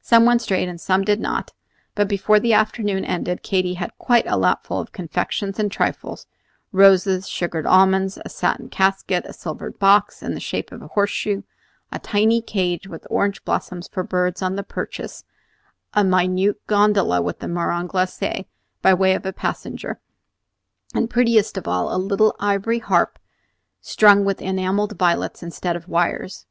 Some went straight and some did not; but before the afternoon ended, Katy had quite a lapful of confections and trifles, roses, sugared almonds, a satin casket, a silvered box in the shape of a horseshoe, a tiny cage with orange blossoms for birds on the perches, a minute gondola with a marron glacée by way of passenger, and, prettiest of all, a little ivory harp strung with enamelled violets instead of wires.